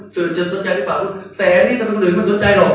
สื่อจริงสนใจหรือเปล่าครับลูกแต่นี่จะไม่เป็นคนอื่นมันสนใจหรอก